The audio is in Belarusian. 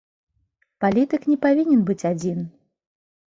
Палітык не павінен быць адзін.